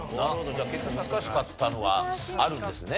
じゃあ結構難しかったのがあるんですね。